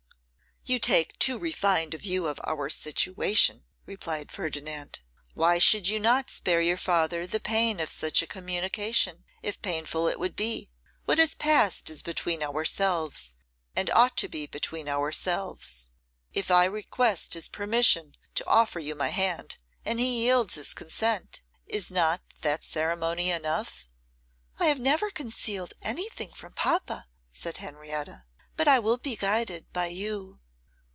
'You take too refined a view of our situation,' replied Ferdinand. 'Why should you not spare your father the pain of such a communication, if painful it would be? What has passed is between ourselves, and ought to be between ourselves. If I request his permission to offer you my hand, and he yields his consent, is not that ceremony enough?' 'I have never concealed anything from papa,' said Henrietta, 'but I will be guided by you.